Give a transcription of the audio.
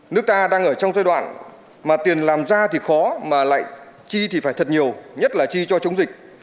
nước ta đang ở trong giai đoạn mà tiền làm ra thì khó mà lại chi thì phải thật nhiều nhất là chi cho chống dịch